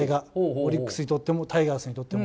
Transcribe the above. オリックスにとってもタイガースにとっても。